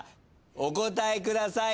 お答えください！